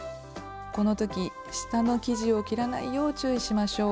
この時下の生地を切らないよう注意しましょう。